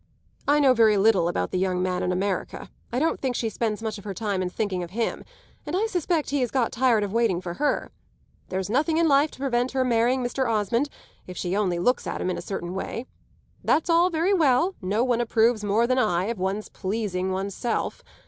I know very little about the young man in America; I don't think she spends much of her time in thinking of him, and I suspect he has got tired of waiting for her. There's nothing in life to prevent her marrying Mr. Osmond if she only looks at him in a certain way. That's all very well; no one approves more than I of one's pleasing one's self.